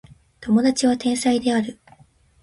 友達は天才である